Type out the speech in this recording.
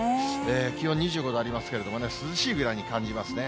気温２５度ありますけどもね、涼しいぐらいに感じますね。